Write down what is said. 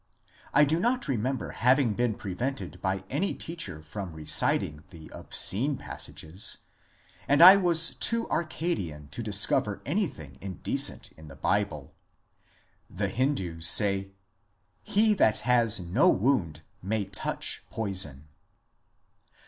I do not re member having been prevented by any teacher from reciting the obscene passages, and I was too Arcadian to discover any thing indecent in the Bible. The Hindus say, " He that has no wound may touch poison."